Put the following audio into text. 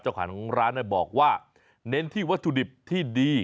เจ้าของร้านบอกว่าเน้นที่วัตถุดิบที่ดี